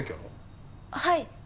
はい。